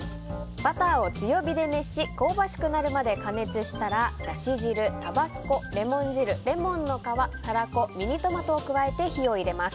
バターを強火で熱し香ばしくなるまで加熱したらだし汁、タバスコ、レモン汁レモンの皮、タラコミニトマトを加えて火を入れます。